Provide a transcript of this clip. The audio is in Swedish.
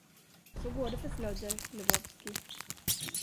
Så går det för slödder, Lebowski.